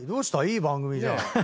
いい番組じゃん。